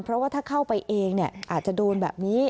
เพราะว่าถ้าเข้าไปเองอาจจะโดนแบบนี้